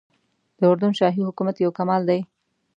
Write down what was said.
د اردن شاهي حکومت یو کمال دی.